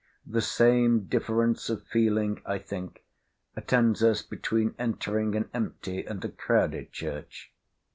The same difference of feeling, I think, attends us between entering an empty and a crowded church.